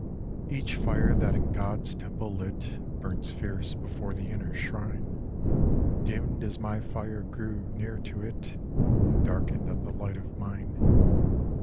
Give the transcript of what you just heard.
Each Jire that in God's temple lit Burns Jierce before the inner shrine, Dimmed as my Jire grew near to it And darkened at the light of mine.